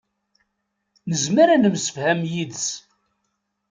Nezmer ad nemsefham yid-s.